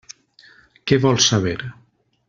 Què vols saber?